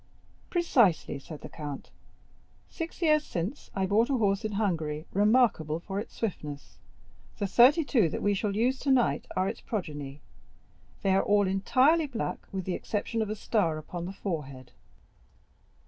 "Precisely," said the count; "six years since I bought a horse in Hungary remarkable for its swiftness. The thirty two that we shall use tonight are its progeny; they are all entirely black, with the exception of a star upon the forehead."